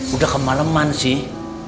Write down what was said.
udah kemaleman sih